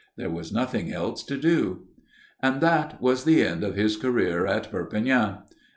There was nothing else to do. And that was the end of his career at Perpignan.